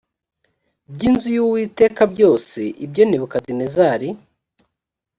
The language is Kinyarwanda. by inzu y uwiteka byose ibyo nebukadinezari